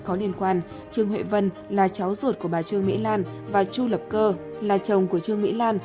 có liên quan trương huệ vân là cháu ruột của bà trương mỹ lan và chu lập cơ là chồng của trương mỹ lan